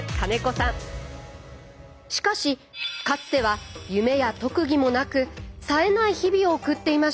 しかしかつては夢や特技もなくさえない日々を送っていました。